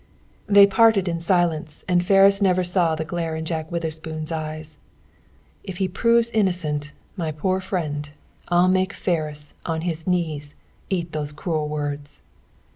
They parted in silence, and Ferris never saw the glare in Jack Witherspoon's eyes. "If he proves innocent, my poor friend, I'll make Ferris, on his knees, eat those cruel words!"